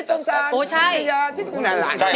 ใจนะ